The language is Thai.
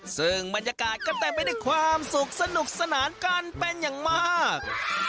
ซึ่งบรรยากาศก็เต็มไปด้วยความสุขสนุกสนานกันเป็นอย่างมาก